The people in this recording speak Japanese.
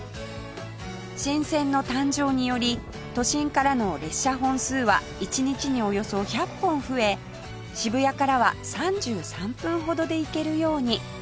新線の誕生により都心からの列車本数は１日におよそ１００本増え渋谷からは３３分ほどで行けるように